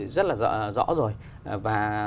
rất là rõ rồi và